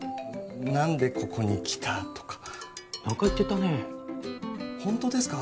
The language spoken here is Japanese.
何でここに来たとか何か言ってたねホントですか？